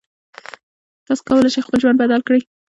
تاسو کولی شئ خپل ژوند بدل کړئ.